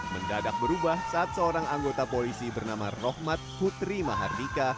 mendadak berubah saat seorang anggota polisi bernama rohmat putri mahardika